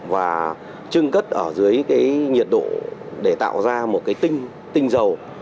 và trưng cất ở dưới cái nhiệt độ để tạo ra một cái tinh tinh dầu